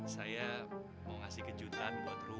saya mau ngasih kejutan buat rumah